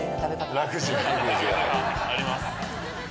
あります。